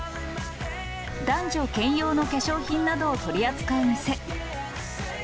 男女兼用の化粧品などを取り扱う店。